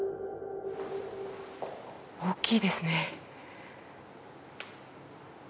大きいですね。